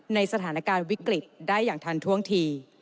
ในสถานการณ์วิกฤตได้อย่างทันท่วงที